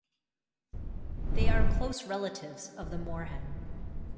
They are close relatives of the moorhen.